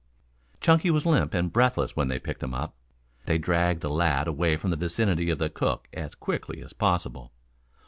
Chunky was limp and breathless when they picked him up. They dragged the lad away from the vicinity of the cook as quickly as possible.